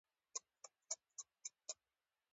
ددې برعکس، ددې ولایت هزاره میشتو سیمو